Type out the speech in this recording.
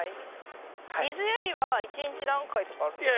水やりは一日何回とかあるんですか？